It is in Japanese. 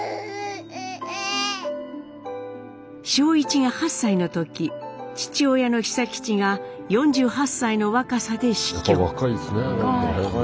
正一が８歳の時父親の久吉が４８歳の若さで死去。